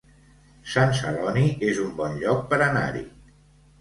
Sant Celoni es un bon lloc per anar-hi